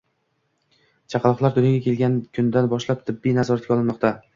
Chaqaloqlar dunyoga kelgan kundan boshlab tibbiy nazoratga olinmoqda